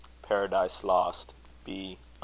Paradise Lost, b. xi.